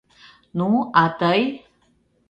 Ну, а тый?